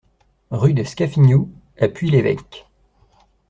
Rue des Scafignous à Puy-l'Évêque